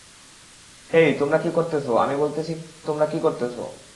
হেই, তোমরা কি করতেছো, আমি বলতেছি তোমরা কি করতেছো?